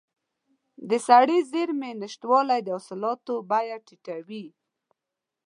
د سړې زېرمې نشتوالی د حاصلاتو بیه ټیټوي.